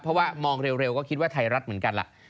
เพราะว่ามองเร็วก็คิดว่าไทยรัฐเหมือนกันล่ะ